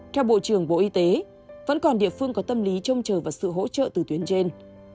theo bộ trưởng bộ y tế vẫn còn địa phương có tâm lý trông chờ vào sự hỗ trợ từ tuyến trên